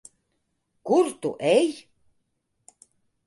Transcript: Kur tu ej?